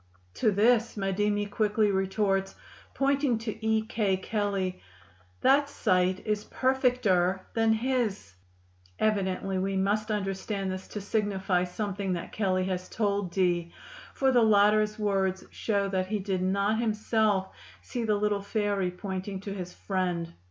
To this Madimi quickly retorts, "pointing to E. K." (Kelley), "That sight is perfecter than his." Evidently we must understand this to signify something that Kelley has told Dee, for the latter's words show that he did not himself see the little fairy pointing to his friend.